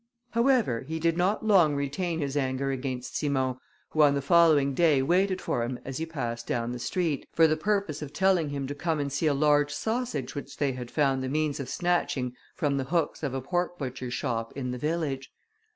However, he did not long retain his anger against Simon, who on the following day waited for him as he passed down the street, for the purpose of telling him to come and see a large sausage which they had found the means of snatching from the hooks of a pork butcher's shop in the village.